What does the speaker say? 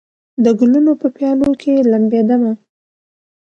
د ګلونو په پیالو کې لمبېدمه